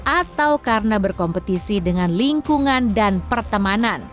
atau karena berkompetisi dengan lingkungan dan pertemanan